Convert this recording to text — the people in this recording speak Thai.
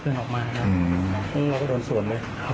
เดินไปช่วย